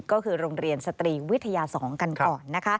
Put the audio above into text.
ก็คือโรงเรียนสตรีวิทยา๒กันก่อน